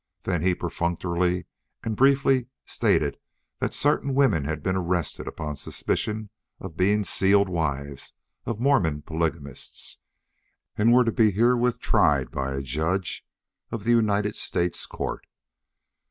Then he perfunctorily and briefly stated that certain women had been arrested upon suspicion of being sealed wives of Mormon polygamists, and were to be herewith tried by a judge of the United States Court.